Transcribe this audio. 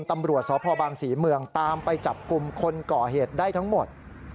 ตำรวจสพบางศรีเมืองตามไปจับกลุ่มคนก่อเหตุได้ทั้งหมด